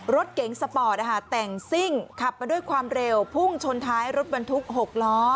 รถเก๋งสปอร์ตแต่งซิ่งขับมาด้วยความเร็วพุ่งชนท้ายรถบรรทุก๖ล้อ